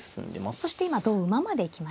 そして今同馬までいきましたね。